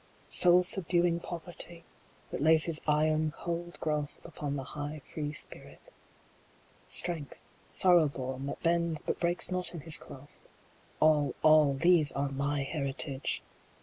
Soul subduing Poverty ! That lays his iron, cold grasp upon the high Free spirit : strength, sorrow born, that bends But breaks not in his clasp all, all These are "my heritage